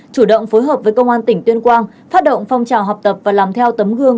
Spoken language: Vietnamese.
chủ động phối hợp với công an tỉnh tuyên quang phát động phong trào học tập và làm theo tấm gương